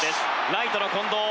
ライトの近藤。